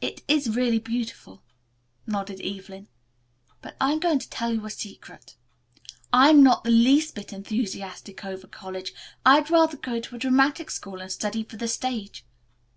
"It is really beautiful," nodded Evelyn, "but I'm going to tell you a secret. I'm not the least little bit enthusiastic over college. I'd rather go to a dramatic school and study for the stage.